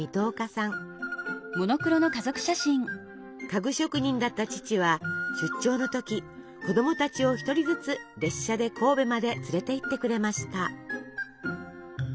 家具職人だった父は出張の時子供たちを一人ずつ列車で神戸まで連れていってくれました。